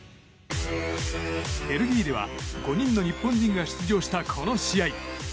ベルギーでは、５人の日本人が出場したこの試合。